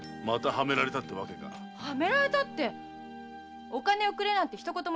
はめられたってお金をくれなんて一言も言ってないよ。